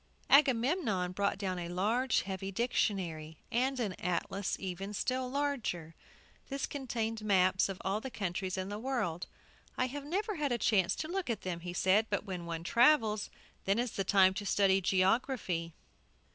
Agamemnon brought down a large heavy dictionary, and an atlas still larger. This contained maps of all the countries in the world. "I have never had a chance to look at them," he said; "but when one travels, then is the time to study geography."